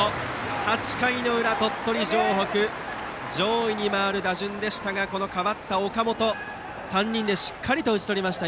８回裏、鳥取城北上位に回る打順でしたが代わった岡本が３人でしっかりと打ち取りました。